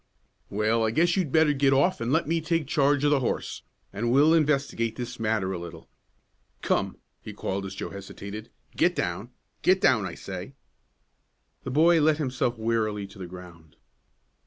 "Well, I guess you'd better get off and let me take charge of the horse, and we'll investigate this matter a little. Come," he called, as Joe hesitated, "get down! Get down, I say!" The boy let himself wearily to the ground.